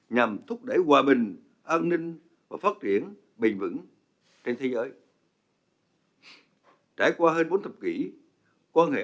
nhằm thúc đẩy hòa bình an ninh và phát triển bền vững